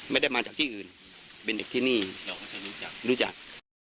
ไม่ได้มาจากที่อื่นเป็นเด็กที่นี่รู้จัก